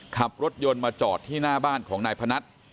ขับรถยนต์มาจอดที่หน้าบ้านของนายพนัท